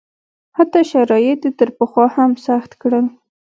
حتی شرایط یې تر پخوا هم سخت کړل.